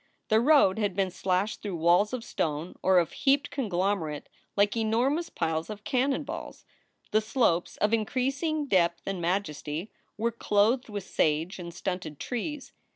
The road had been slashed through walls of stone or of heaped conglomerate like enormous piles of cannon balls. The slopes, of increasing depth and majesty, were clothed with sage and stunted trees.